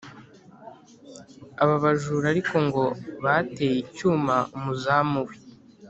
aba bajura ariko ngo bateye icyuma umuzamu we